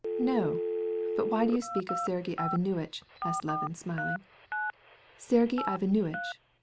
"No; and what do you talk of Sergey Ivanovitch for?" said Levin, smiling. "Sergey Ivanovitch?